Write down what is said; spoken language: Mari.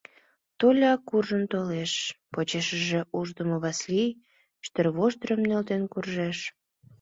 Толя куржын толеш, почешыже ушдымо Васлий ӱштервоштырым нӧлтен куржеш.